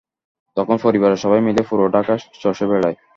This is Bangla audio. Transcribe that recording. তখন পরিবারের সবাই মিলে পুরো ঢাকা চষে বেড়াই।